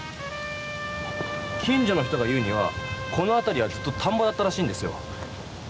近所の人が言うにはこのあたりはずっと田んぼだったらしいんですよ。